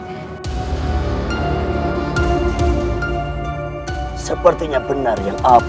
sepertinya benar yang apa